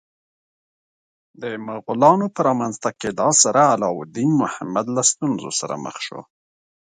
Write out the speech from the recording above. د مغولانو په رامنځته کېدا سره علاوالدین محمد له ستونزو سره مخ شو.